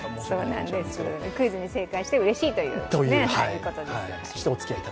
クイズに正解してうれしいということです。